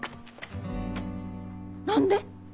何で？